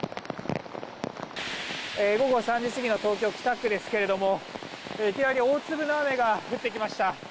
午後３時過ぎの東京・北区ですけどもいきなり大粒の雨が降ってきました。